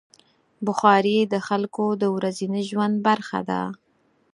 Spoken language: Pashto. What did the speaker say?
بخاري د خلکو د ورځني ژوند برخه ده.